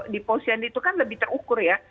di posyandu itu kan lebih terukur ya